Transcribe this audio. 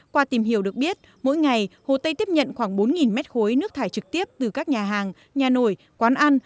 qua tìm hiểu được biết mỗi ngày hồ tây tiếp nhận khoảng bốn mét khối nước thải trực tiếp từ các nhà hàng nhà nổi quán ăn